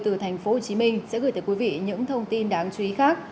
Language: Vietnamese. từ thành phố hồ chí minh sẽ gửi tới quý vị những thông tin đáng chú ý khác